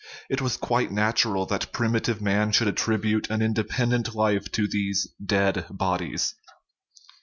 It was quite natural that primitive man should attribute an inde pendent life to these " dead " bodies.